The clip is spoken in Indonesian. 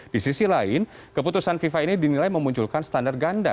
di sisi lain keputusan fifa ini dinilai memunculkan standar ganda